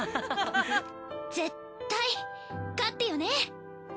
絶対勝ってよね。